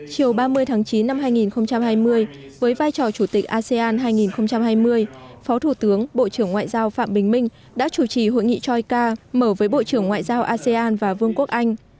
chiều ba mươi tháng chín năm hai nghìn hai mươi với vai trò chủ tịch asean hai nghìn hai mươi phó thủ tướng bộ trưởng ngoại giao phạm bình minh đã chủ trì hội nghị choika mở với bộ trưởng ngoại giao asean và vương quốc anh